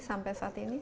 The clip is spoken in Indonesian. sampai saat ini